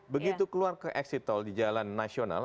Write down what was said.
begitu keluar ke eksit tol di jalan nasional